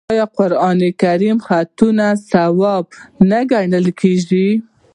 آیا د قران کریم خطاطي ثواب نه ګڼل کیږي؟